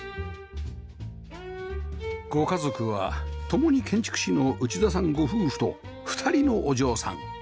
ご家族は共に建築士の内田さんご夫婦と２人のお嬢さん